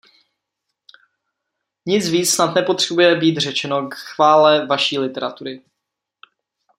Nic víc snad nepotřebuje být řečeno k chvále vaší literatury.